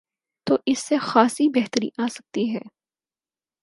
تو اس سے خاصی بہتری آ سکتی ہے۔